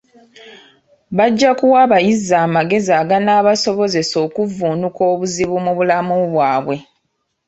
Bajja kuwa abayizi amagezi aganaabasobozesa okuvvuunuka obuzibu mu bulamu bwabwe.